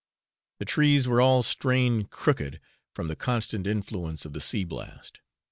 The trees were all strained crooked, from the constant influence of the sea blast.